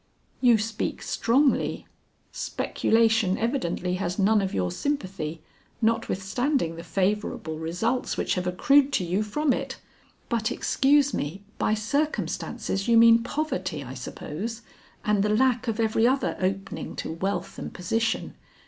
"You speak strongly, speculation evidently has none of your sympathy, notwithstanding the favorable results which have accrued to you from it. But excuse me, by circumstances you mean poverty, I suppose, and the lack of every other opening to wealth and position.